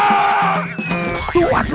tuh aduh aduh